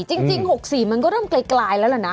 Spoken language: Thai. จริง๖๔มันก็เริ่มไกลแล้วล่ะนะ